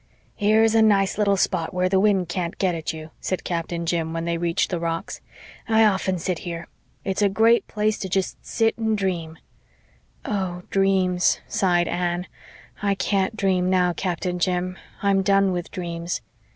"Here's a nice little spot where the wind can't get at you," said Captain Jim, when they reached the rocks. "I often sit here. It's a great place jest to sit and dream." "Oh dreams," sighed Anne. "I can't dream now, Captain Jim I'm done with dreams."